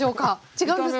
違うんですか？